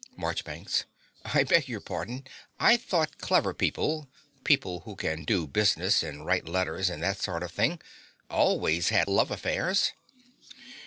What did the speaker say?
MARCHBANKS. I beg your pardon. I thought clever people people who can do business and write letters, and that sort of thing always had love affairs.